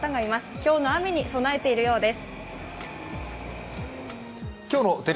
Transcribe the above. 今日の雨に備えているようです。